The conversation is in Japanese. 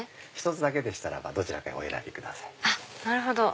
１つだけでしたらばどちらかお選びください。